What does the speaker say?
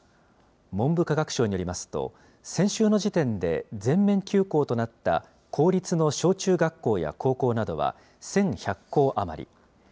文部科学省によりますと、先週の時点で、全面休校となった公立の小中学校や高校などは１１００校余り。